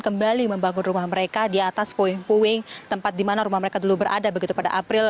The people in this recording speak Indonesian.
kembali membangun rumah mereka di atas puing puing tempat di mana rumah mereka dulu berada begitu pada april